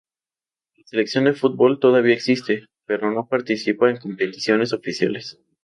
La sección de fútbol todavía existe, pero no participa en competiciones oficiales.